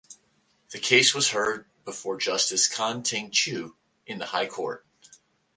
The case was heard before Justice Kan Ting Chiu in the High Court.